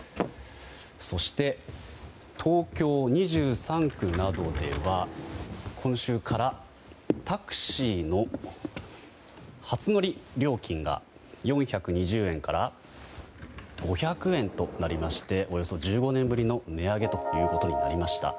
そして、東京２３区などでは今週からタクシーの初乗り料金が４２０円から５００円となっておよそ１５年ぶりの値上げとなりました。